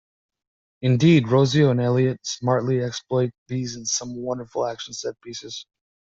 Indeed, Rossio and Elliot smartly exploit these in some wonderful action set-pieces.